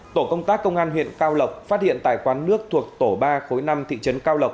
tổ công tác công an huyện cao lộc phát hiện tại quán nước thuộc tổ ba khối năm thị trấn cao lộc